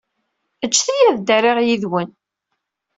Ǧǧet-iyi ad ddariɣ yid-wen.